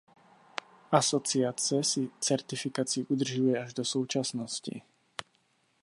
Asociace si certifikaci udržuje až do současnosti.